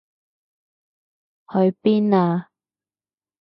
去邊啊？